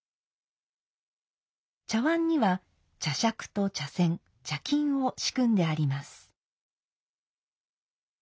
茶碗には茶杓と茶筅茶巾を仕組んであります。